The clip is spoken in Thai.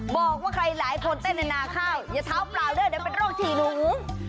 บอกว่าใครหลายคนเต้นในนาข้าวอย่าเท้าเปล่าด้วยเดี๋ยวเป็นโรคฉี่หนู